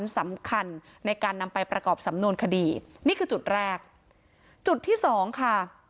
สำคัญในการนำไปประกอบสำนวนคดีนี่คือจุดแรกจุดที่สองค่ะ